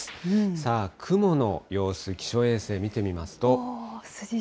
さあ、雲の様子、気象衛星見てみますと。